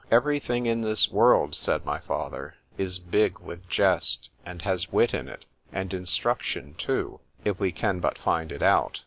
Every thing in this world, said my father, is big with jest, and has wit in it, and instruction too,—if we can but find it out.